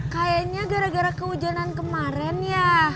kayaknya gara gara kehujanan kemarin ya